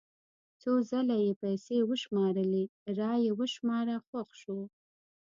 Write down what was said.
څو ځله یې پیسې وشمارلې را یې وشماره خوښ شو.